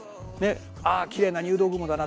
ああきれいな入道雲だな。